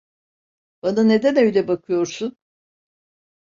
Bana neden öyle bakıyorsun?